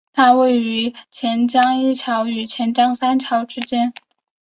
它位于钱江一桥与钱江三桥之间。